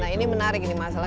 nah ini menarik ini masalah